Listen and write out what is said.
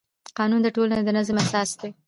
قانون د ټولنې د نظم اساس دی.